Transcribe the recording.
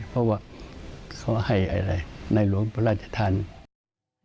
เพราะว่าเขาให้อะไรในหลวงพระราชทาน